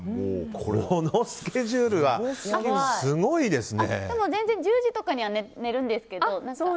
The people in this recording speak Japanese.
このスケジュールはでも、全然１０時とかには寝るんですけど。